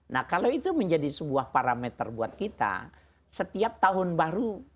nah kalau itu menjadi sebuah parameter buat kita setiap tahun baru